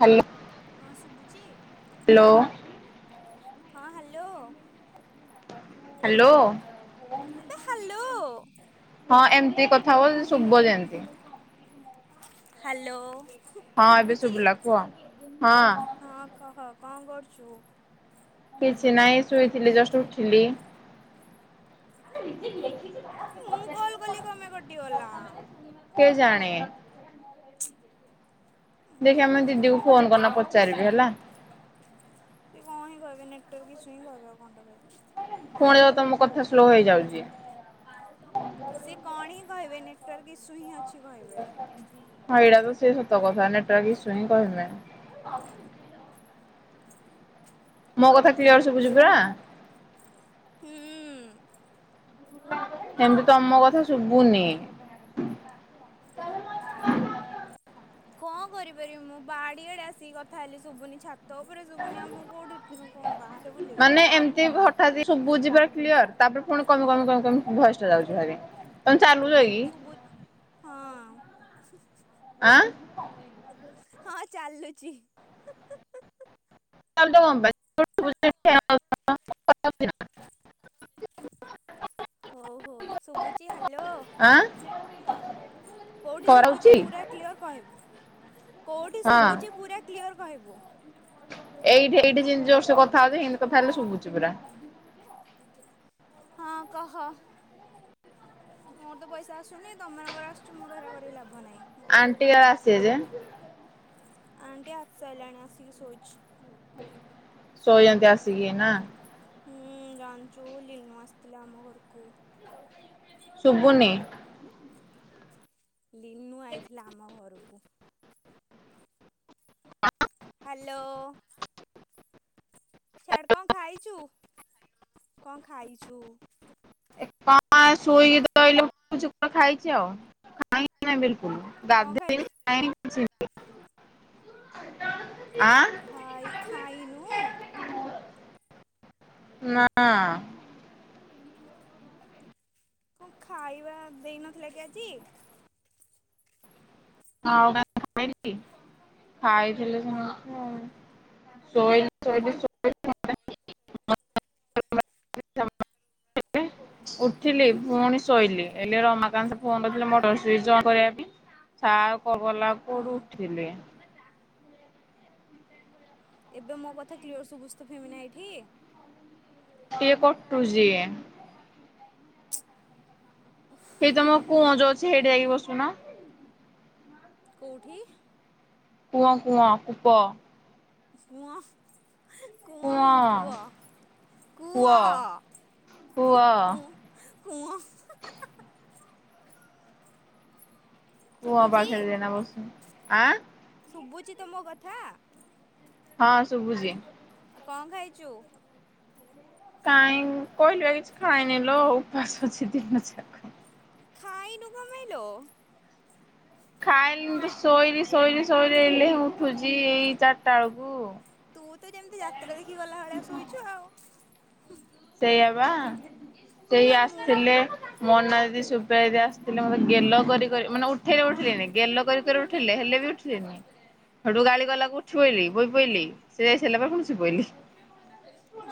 Hello. ହଁ ଶୁଭୁଚି। Hello. ହଁ ହାଲୋ। ହାଲୋ। ଆ ହାଲୋ। ହଁ ଏମିତି କଥା ହୁଅ ଯେ ଶୁବ ଯେମିତି। ହ୍ୟାଲୋ। ହଁ ଏବେ ଶୁଭୁଛି ଶୁଭୁଲା କୁହ ହଁ। ହଁ କହ କଣ କରୁଚୁ? କିଛି ନାହିଁ ଶୋଇଥିଲି ଜଷ୍ଟ ଉଠିଲି। ଲେଖିଛି ପା। ମୁଁ କଲ୍ କଲି କଣ ପାଇଁ କଟିଗଲା। କେ ଜାଣି। ଦେଖିବା ମୁଁ ଦିଦିକୁ ବେକାର ଫୋନ କରିନ ପଚାରିବି ହେଲା। ସେ କଣ ହିଁ କହିବେ ନେଟ୍‌ୱାର୍କ ଇସୁ ହିଁ କହିବେ ଆଉ କଣଟେ କହିବେ। ପୁଣି ତମ କଥା ସ୍ଲୋ ହେଇଯାଉଛି। ସିଏ କଣ ହିଁ କହିବେନି ନେଟୱାର୍କ ଇସୁ ହିଁ ଅଛି କହିବେ। ହଁ ଏଇଟା ତ ସେ ସତ କଥା ନେଟୱର୍କ ଇସୁ ହିଁ କହିବେ। ମୋ କଥା କ୍ଲିଅର୍ ସୁବୁଛି ପୁରା। ହୁଁ। ସେମିତି ତମ କଥା ଶୁଭୁନି। କଣ କରିପାରିବି ମୁଁ ବାଡିଆଡେ ଆସିକି କଥା ହେଲି ଶୁଭୁନି ଛାତ ଉପରେ ଶୁଭୁନି ଆମ୍ କୋଉଠି ଦିନୁ କଣ ବାହାରେ ବୁଲିବେ। ମାନେ ଏମିତି ଭ [unintelligible] ଶୁବୁଚି [unintelligible] କ୍ଲିୟର ତାପରେ ପୁଣି କମି କମି କମି କମି ଭୟଷ୍ଟା ଯାଉଚି ଭାରି ତମେ ଚାଲୁଚ କି? ବୁଲ୍ ହଁ। ଆଁ। ହଁ ଚାଲୁଚି। [unintelligible] ତ ହୋଉ ହୋଉ ଶୁବୁଚି ହ୍ୟାଲୋ। ଆଁ। କୋଉଟି ଶୁବୁଚି କରାଉଛି ପୁରା କ୍ଲିଅର୍ କହିବୁ କୋଉଟି ହଁ ଶୁବୁଚି ପୁରା। କ୍ଲିଅର କହିବୁ। ଏଇଠି ଏଇଠି ଜିନ ଜୋରସେ କଥାହୋଉଚି ହିନ୍ତି କଥା ହେଲେ ଶୁବୁଚି ପୁରା। ହଁ କହ? ମୋର ତ ପଇସା ଆସୁନି ତମମାନଙ୍କର ଆସୁଚି ମୋର ହେରା କରିକି ଲାଭ ନାହିଁ। ଗପିକି। ଆଣ୍ଟି ଆସିଚି ଯେ। ଆଣ୍ଟି ଆସସାଇଲାଣି ଆସିକି ଶୋଇଚି। ଶୋଇଚନ୍ତି ତ ଆସିକିନା। ହୁଁ ଜାଣିଚୁ ଲିନୁ ଆସିଥିଲା ଆମ ଘରକୁ। ଶୁବୁନି। ଲିନୁ ଆଇଥିଲା ଆମ ଘରକୁ। ହ୍ୟାଲୋ। ଛାଡ଼଼ କଣ ଖାଇଚୁ କଣ ଖାଇଚୁ? ଆଁ ଶୋଇକି। କଣ ଖାଇ [unintelligible] [unintelligible] ଭାଇ ଖାଇନୁ? ନାଁ। କଁ ଖାଇବା ଦେଇନଥିଲା କି ଆଜି? ହଁ [unintelligible] ଖାଇଥିଲି ସମସ୍ତେ। [unintelligible] ଶୋଇଲି ଉଠିଲି ପୁଣି ଶୋଇଲିି ହେଲେ ରମାକାନ୍ତ ଫୋନ କରିଥିଲେ ମୋଟର ସୁଇଚ ଅଣ କରିବା ପାଇଁ ସା କଲ୍ କଲାକୁ ହୁଁ। ଉଠିଲେ। ଏବେ ମୋ କଥା କ୍ଲିୟର ଶୁଭୁଚି ତ ଫିମିନା ଏଇଠି? ଟିଏ କଟୁଜି ହେଇ ତମ କୁଅଁଜ ଅଛି ହେଇଟି ଯାଇକି ବସୁନ। କୋଉଠି? କୁଅଁ କୁଅଁ କୂପ କୁଅଁ କୁଅଁ ନୁ କୁଅ କୁଅ କୂଅ କୂଅ କୁଂ କୁଅଁ କୂଅ ଶୁଭୁଚି ପାଖରେ ଯାଇକିନା ବସୁନୁ। ଆଁ ଶୁବୁଚି ତ ମୋ କଥା? ହଁ ଶୁବୁଚି। କଣ ଖାଇଚୁ? କାଇଁ କହିଲୁ ଆ କିଛି ଖାଇନି ଲୋ ଉପାସ ଅଛି ଦିନ ସାରା। ଖାଇନୁ କମାଇଲୋ? ଖାଇଲିନି ଶୋଇବି ଶୋଇବି ଶୋଇବି ଏଇଲେ ଉଠୁଚି ଏଇ ଚାରିଟା ବେଳକୁ ତୁ ତ ଯେମିତି ଯାତ୍ରା ଦେଖି ଗଲା ଭଳିଆ ଶୋଇଛି ଆଉ। ସେଇଆ ବା ସେଇ ଭାଇ ମୁଁ ଆସିଥିଲେ ମୋନା ଦିଦି, ଶୁକ୍ଳା ଦିଦି ଆସିଥିଲେ, ମତେ ଗେଲ କରି କରି ମାନେ ଉଠେଇଲେ ଉଠିଲେନି ଗେଲ କରି କରି ଉଠେଇଲେ, ହେଲେ ବି ଠିନି ହେଟୁ ଗାଳି କଲାକୁ ଉଠି ପଇଲି ବୋଇ ପଇଲି ସେ ଯାଇସାରିଲା ପରେ ପୁଣି ସୋଇପଇଲି।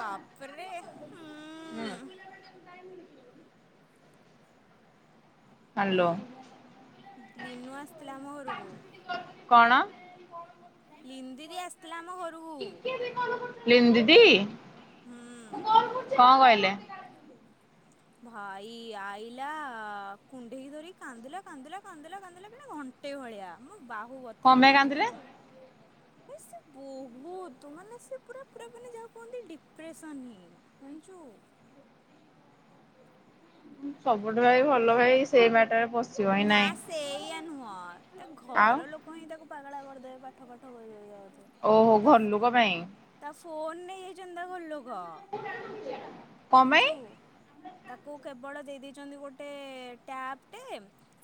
ବାପରେ ହୁଁ ହାଲୋ ଲିନୁ ଆସିଥିଲା ଆମ ଘରକୁ କଣ? ଲିନ୍ଦିରି ଆସିଥିଲା ଆମ ଘରକୁ। ଲିନୁ ଦିଦି ହୁଁ କଣ କହିଲେ? ଭାଇ ଆଇଲା କୁଣ୍ଢେଇକି ଧରି କାନ୍ଦିଲା କାନ୍ଦିଲା କାନ୍ଦିଲା କାନ୍ଦିଲା [unintelligible] ଘ ଗୋଟେ ଭଳିଆ ମୋ ବାହୁ ବଥା କଣ ପାଇଁ ହେଇଯାଇଛି କାନ୍ଦିଲେ ଜାଣିଛୁ। ଭାଇ ସେ ବହୁତ ମାନେ ସେ ପୁରା ପୁରା ମାନେ ଯାହାକୁ କୁହନ୍ତି ଡିପ୍ରେସନ ହିଁ ଜାଣିଛୁ ସବୁଠୁ ଭାଇ ଭଲ ଭାଇ ସେଇ ମାଟରେ ବ ନା ସେଇୟା ନୁହଁ। ଏ ଆଉ ଘର ଲୋକ କଇଁ ତାକୁ ପାଗଳା କରିଦେବେ ପାଠ ପାଠ କହି କହିକା ବୋଧେ। ଓହୋ ତା ଘରଲୁକ ପାଇଁ ତା ଫୋନ୍ ନେଇ ଯାଇଛନ୍ତି ତା ଘରଲୋକ। କଣ ଜାଣିଛୁ ପାଇଁ ତାକୁ କେବଳ ଦେଇ ଦେଇେଛନ୍ତି ଗୋଟେ ଟ୍ୟାପ୍ ଟେ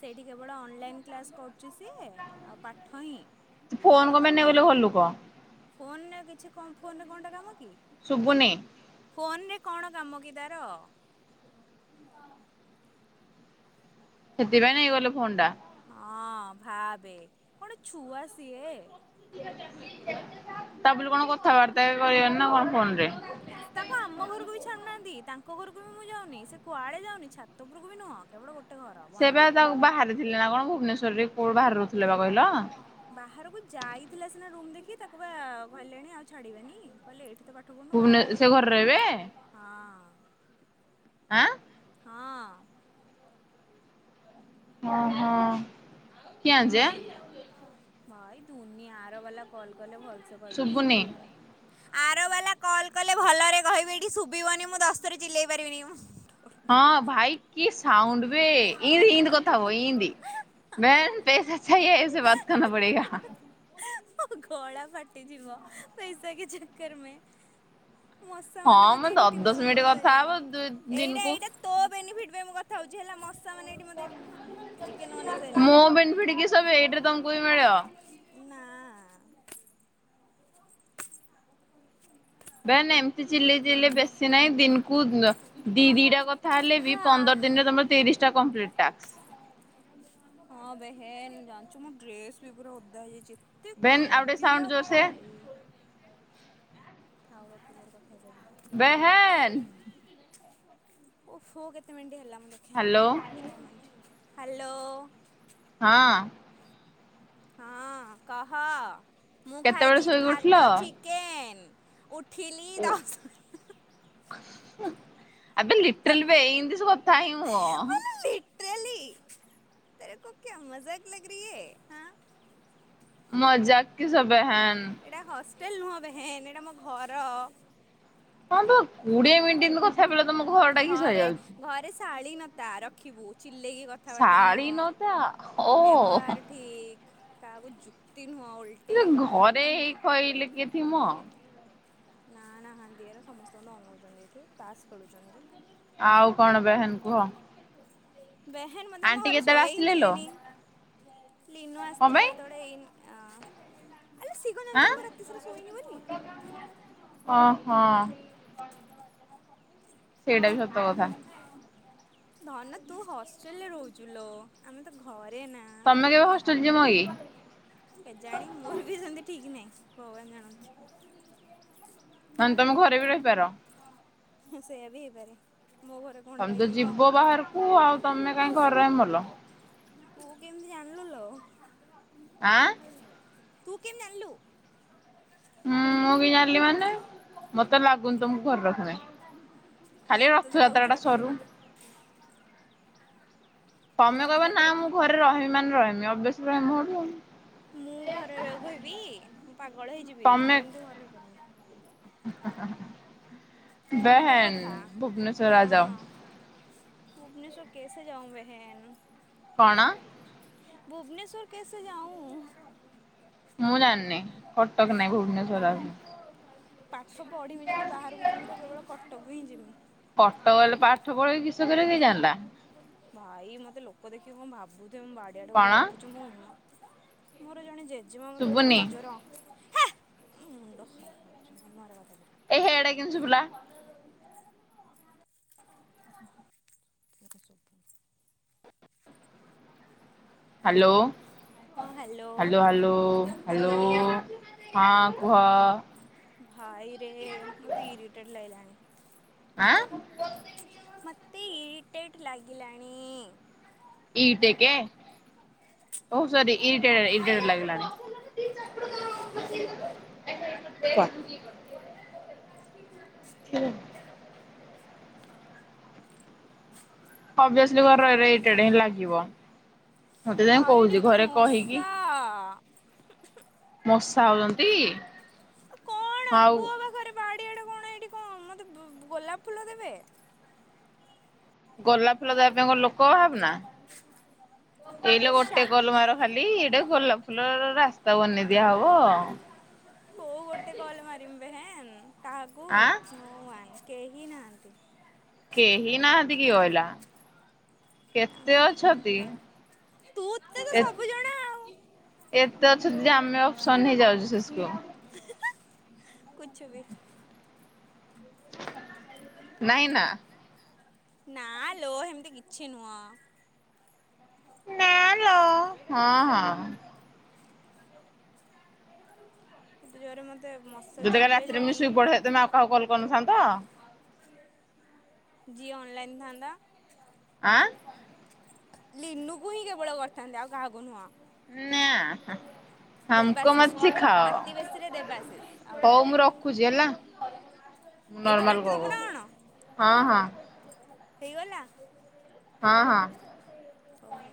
ସେଇଠି କେବଳ ଅନଲାଇନ୍ କ୍ଲାସ୍ କରୁଛି ସିଏ। ଆଉ ପାଠ ହିଁ ଫୋନ୍ କେବଳ କଣ ପାଇଁ ପାଠ ନେଇଗଲେ ଘରଲୋକ? ଫୋନରେ ଆଉ କିଛି କମ ଫୋନରେ କଣଟା କାମ କି? ଶୁଭୁନି ଫୋନରେ କଣ କାମ କି ତାର? ସେଥିପାଇଁ ନେଇଗଲେ ଫୋନ୍ ଟା। ହଁ ଭାବେ କଣ ଛୁଆ ସିଏ। ତା ବୋଲି କଣ କଥାବାର୍ତ୍ତା ବି କରିବାନି ନା କଣ ଫୋନ ରେ। କି ତାକୁ ଆମ ଘରକୁ ବି ଛାଡୁନାହାନ୍ତି ତାଙ୍କ ଘରକୁ ବି ମୁଁ ଯାଉନି ସେ କୁଆଡେ ଯାଉନି ଛାତଉପରକୁ ବି ନୁହଁ କେବଳ ଗୋଟେ। ଘର ସେ ବା ବନ୍ଦୀ ତା ବାହାରେ ଥିଲେ ନା କଣ କୋଉ ଭୁବନେଶ୍ୱର ବାହାରେ ରହୁଥିଲା ନା କହିଲ। ବାହାରକୁ ଯାଇଥିଲା ସିନା ରୁମ ଦେଖି ତାକୁ ବା କହିଲେଣି ଆଉ ତାକୁ ଛାଡିବେନି କହିଲେ ଏଇଠି ଭୁବନେ ସେ ତ। ଘରେ ରହିବେ [unintelligible] ହଁ। ଆଁ। ହଁ। ହ ହଁ। ହଁ ଏଇ। ଭାଇ ଦୁନି ଆର ବାଲା କଲ୍ କଲେ ଭଲସେ କହିବେ ଏଠି ଶୁବୁନି ଶୁଭିବନି। ଆର ବାଲା କଲ୍ କଲେ ଭଲରେ କହିବି ଏଠି ଶୁଭିବନି ମୁଁ ଦଶଥର ଚିଲେଇ ପାରିବିନି ମ। ହଁ ଭାଇ କି ସାଉଣ୍ଡ ବେ ଇନ୍ତି ଇନ୍ତି କଥା ହବ ଇନ୍ତି। ମ୍ୟା ପଇସାଛ ଏଇେ ବାତ କରନା ପଡେଗା। ମୋ ଗଳା ଫାଟିଯିବ ପଇସା କି ଚକର ମେଁ। ମଶା ମାନେ ହଁ ମ ମତେ ଦ ଏଠି ଦଶ ଟିୟୁସନ୍ ମିନିଟ୍ କରି କଥା ହବ ସାରିଲାଣି ଦୁଇ ଏଇଟା ଦିନକୁ ଏଇଟା। ତୋ ବେନିଫ୍ଟ ପାଇଁ ମୁ କଥା ହଉଛି ହେଲା ମା ମାନେ ଏଠି। ଚିକେନ ବନେଇ ସାରିଲେଣି। ମୁଁ ବେନିଫିଟ କିସ ବେ ଏଟା ତମକୁ ହିଁ ବି ମିଳିବ। ନା। ବେ ଏମିତି ଚିଲେଇ ଚିଲେଇ ବେଶୀ ନାହିଁ ଦିନକୁ ଦି ଦି ଟା କଥା। ତାହେଲେ ବି ହା ପନ୍ଦର ଦିନରେ ତମର ତିରିଶ ଟା କମ୍ଲଟି ଟାସ୍କ। ହଁ ବେହେନ ଜାଣିଛୁ ମୁଁ ଡ୍ରେସ ବି ପୁରା ଓଦା ହେଇଯାଇଛି। ଏତେ ବେନ୍ ଆଉ ଟିକେ ସାଉଣ୍ଡ କାନ୍ଦିଲା ଜୋରସେ ଭାଇ। ଥାଉ ଏତେ ଜୋର କଥା କଲେଣି ଲୋକ ଆଗ ବେହେନ୍ ହସି। ଓ ହୋ କେତେ ମିନଟ୍ ହେଲା ମୁ। ହ୍ୟାଲୋ। ହ୍ୟାଲୋ। ହଁ। ହଁ କହ ମୁଁ କେତେବେଳେ ଖାଇଛି ଶୋଇକି ଉଠିଲ? ଭାତ ଚିକେ କେନ୍ ଉଠିଲି ଦଶ ଆବେ ଲିଟ୍ରଲ ଏମିତି କଥା ହିଁ ହୁଅ। [unintelligible] ମଜା କି ସବ୍ ବେହେନ୍। ଏଇଟା ହଷ୍ଟେଲ ନୁହେଁ ବେହେନ୍ ଏଇଟା ମୋ ଘର। [unintelligible] ଘରଟା କିସ୍ ଘରେ ହେଇଯାଉଛି। ଘରେ ଶାଳୀନତା ରଖିବୁ ଚିଲେଇକି କଥାବାର୍ତ୍ତା ଶାଳି ନୁହଁ ନୋଉତା ଓ ବ୍ୟବହାର ଠିକ୍ କାହାକୁ ଯୁକ୍ତି ନୁହଁ ଓଲଟା। ଘରେ ହେଇ ଖହିଲେ କିଏ। [unintelligible] ନା ନାହାନ୍ତି ସମସ୍ତଙ୍କୁ ଅନଉଛନ୍ତି ଏଠି ତାସ୍ ଖେଳୁଛନ୍ତି ଯେ। ଆଉ କଣ ବେହେନ୍ କୁହ। ବେହେନ୍ ମୋତେ ଆମ ଆଣ୍ଟି ଘରେ କେତେବେଳେ ଶୋଇହେ ହିଁ ଆସିଲେ ଲୋ ଦେଲେନି ଲିନୁ କଣ ଆସିଥିଲେ ପାଇଁ ସେତେବେଳେ। [unintelligible] ଆଁ ଓହୋ। ସେଇଟା ବି ସତ କଥା। ଧନ ତୁ ହଷ୍ଟେଲ୍ ରେ ରହୁଚୁ ଲୋ ଆମେ ତ ଘରେ ନା। ତୋମେ ଯୋଉ ସୂର୍ଯ୍ୟମଇ। କେଜାଣି ମୋର ବି ସେମିତି ଠିକ ନାହିଁ ଭଗବାନ ଜାଣନ୍ତି। ନହନେ ତୋମେ ଘରେ ବି ରହିପାର। ସେଇୟା ବି ହେଇପାରେ ମୋ ଘରେ ତୋମେ କଣଟା ତ ଇଏ କି ଯିବ ବାହାରକୁ ଆଉ ତୋମେ କାଇଁ ଘରେ ଭଲ। ତୁ କେମିତି ଜାଣିଲୁ ଲୋ? ଆଁ, ତୁ କେମି ଜାଣିଲୁ? ହୁଁ, ମୁଁ ବି ଜାଣିଲି ମାନେ ମୋତେ ଲାଗୁନି ତ ମୁଁ ଘରେ ରଖିବେ। ଖାଲି ମତେ ତ ଲାଗୁଛି ରଥଯାତ୍ରା ଟା ରଖିବେ। ସରୁ। ତୋମେ କହିବ ନା ରଥଯାତ୍ରା ମୁଁ ଘରେ ରହମି ମାନେ ରହମି ଅଭ୍ୟାସ ରହମି ହୋଠୁ ଆଉ। ମୁଁ ଘରେ ରହିବାକୁ କହିବି ମୁଁ ପାଗଳ ହେଇଯିବି, ତମେ ମୁଁ ଏମିତି ଘରେ ରହିପାରିମିନି। ସତ କଥା। [unintelligible] [unintelligible] କଣ? [unintelligible] ମୁଁ ଜାଣିନି କଟକ ନାହିଁ ଭୁବନେଶ୍ବର ଆ [inaudible] ପାଠ ପଢ଼ିମି ଯଦି ବାହାରକୁ ଯିମି ତ କେବଳ କଟକ ହିଁ ଯିମି। କଟକ ଗଲେ ପାଠ ପଢେଇ କିଷ କରିବ କିଏ ଜାଣିଲା। ଭାଇ ମୋତେ ଲୋକ ଦେଖିକି କଣ ଭାବୁଥିବେ ମୁଁ ବାଡିଆଡେ ଗୋଟେ କଣ ଗପୁଛି ମୁଁ ମୋ। ମୋର ଜଣେ ଜେଜେମା ମୋତେ ଶୁଭୁନି ବହୁତ ଜୋର ହେ ମୁଣ୍ଡ ଖରାପ କରୁଛି ମୁଁ ମୋର କଥା କରଲି। ଏ ହେ ଏଟା କେମିତି ଶୁଭିଲା। ସେଇଟା ଶୁଭୁ ହାଲୋ, ହଁ hello hello, hello, hello. Hello ହଁ କୁହ। ଭାଇରେ ମୋତେ ଇରିଟେଡ୍ ଲାଗିଲାଣି। ଆଁ, ମୋତେ ଇରିଟେଟ୍ ଲାଗିଲାଣି। ଇ ଟେକେ ଓ ସରି ଇରିଟେ ଇରିଟେଡ୍ ଲାଗିଲାଣି। କଅ। [inaudible] ଅଭ୍ୟାସ ଯୋଉ ଘରେ ରହି ଆଉ ରହି ଇରିଟେଡ୍ ହିଁ ଲାଗିବ। ମାତେ ଯାଇ ଭାଇ ଏଠି କହୁଚି, ତ ଘରେ କହିକି ମଶା ମଶା ହଉଛନ୍ତି? ଆଉ କଣ ଆଉ କୁଅ ପାଖରେ ବାଡିଆଡେ କଣ ଏଇଠି କଣ ମୋତେ ବୁ-ଗୋଲାପ ଫୁଲ ଦେବେ। ଗୋଲା ଫୁଲ ଦେବା ପାଇଁ କଣ ଲୋକ ଅଭାବ ନା, ଏଇଲେ ଏ ଗୋଟେ ଶାଟ କଲ୍ ମାର। ଖାଲି ଏଇଟା ଗୋଲା ଫୁଲର ରାସ୍ତା ବନେଇ ଦିଆ ହବ। କୋଉ ଗୋଟେ କଲ୍ ମାରମି [unintelligible] କାହାକୁ? ଆଁ [unintelligible] କେହି ନାହାଁନ୍ତି। କେହି ନାହାନ୍ତି କିଏ କହିଲା? କେତେ ନାହାନ୍ତି ଅଛନ୍ତି ତୁ ତେ ତ ଏ ସବୁ ଜଣା ଆଉ ଏତେ ଅଛନ୍ତି ଯେ ଆମେ ଅପସନ୍ ହେଇ ଯାଉଛୁ ଶେଷକୁ। [unintelligible] ନାଇଁ ନା। ନା ଲୋ ହେମିତି କିଛି ନୁହଁ। ନା ଲୋ ହଁ ହଁ। ଏତେ ଜୋରରେ ମୋତେ ମସ୍ ଯଦି କାଲି ରାତିରେ ମୁଇଁ ଶୁଇ ପଡିଥାନ୍ତି ତେମେ ଆଉ କାହାକୁ କଲ କରିନଥାନ୍ତ? ଯିଏ ଅନ୍ ଲାଇନ୍ ଥାନ୍ତା। ଆଁ ଲିନୁକୁ ହିଁ କେବଳ କରିଥାନ୍ତି ଆଉ କାହାକୁ ନୁହଁ। ନା ହା ହା। ଦେବାଶିଷ କୁ ଆତି ବେଶୀ ରେ ଦେବାଶିଷ ଆଉ କାହାକୁ ନୁହଁ। ରଖୁଚି ହେଲା ଏଇଠି ନର୍ମାଲ ଗ କାଟିଦବୁ ଗ ନା କଣ ହଁ ହଁ ହେଇଗଲା। ହଁ ହଁ ଓହୋ